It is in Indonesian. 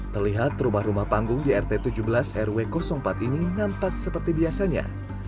terlihat rumah rumah panggung di rt tujuh belas rw empat ini nampak seperti biasanya